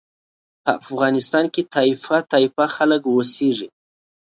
په افغانستان کې طایفه طایفه خلک اوسېږي.